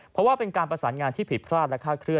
เพราะว่าเป็นการประสานงานที่ผิดพลาดและคาดเคลื